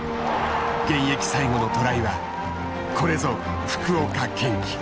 現役最後のトライは「これぞ福岡堅樹」。